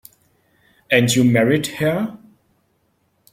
And you married her.